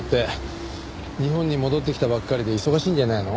日本に戻ってきたばっかりで忙しいんじゃないの？